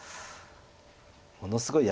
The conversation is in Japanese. ものすごい